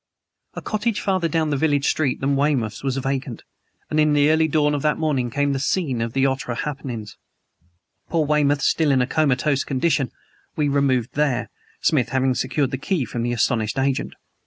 A cottage farther down the village street than Weymouth's was vacant, and in the early dawn of that morning became the scene of outre happenings. Poor Weymouth, still in a comatose condition, we removed there (Smith having secured the key from the astonished agent).